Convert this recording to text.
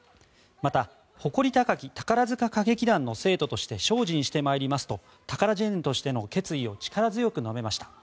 また、誇り高き宝塚歌劇団の生徒として精進してまいりますとタカラジェンヌとしての決意を力強く述べました。